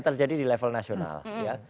terjadi di level nasional ya